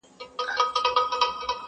• بس دا یوه شپه سره یوازي تر سبا به سو -